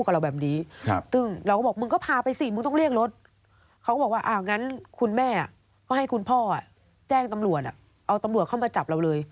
เอาตำรวจเข้ามาจับเราเลย